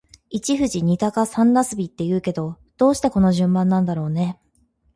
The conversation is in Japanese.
一富士、二鷹、三茄子って言うけど、どうしてこの順番なんだろうね。